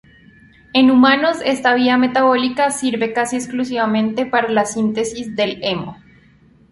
En humanos, esta vía metabólica sirve casi exclusivamente para la síntesis del hemo.